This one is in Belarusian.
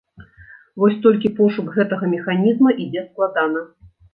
Вось толькі пошук гэтага механізма ідзе складана.